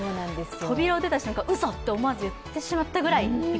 扉を出た瞬間、うそっと思わず言ってしまったぐらい。